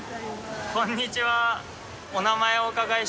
こんにちは。